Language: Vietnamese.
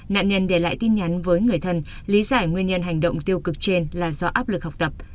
nạn nhân để lại tin nhắn với người thân lý giải nguyên nhân hành động tiêu cực trên là do áp lực học tập